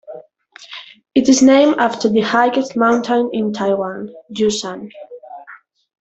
It is named after the highest mountain in Taiwan, Yushan.